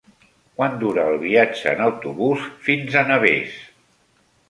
Quant dura el viatge en autobús fins a Navès?